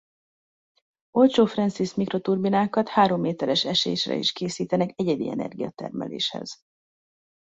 Olcsó Francis-mikroturbinákat három méteres esésre is készítenek egyedi energiatermeléshez.